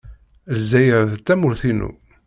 Lezzayer d tamurt-inu.